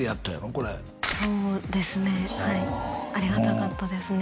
これそうですねはいありがたかったですね